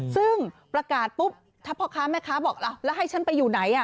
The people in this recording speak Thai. ซึ่งประกาศปุ๊บถ้าพ่อค้าแม่ค้าบอกแล้วให้ฉันไปอยู่ไหน